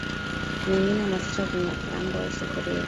Mimina mafuta kwenye kikaango au sufuria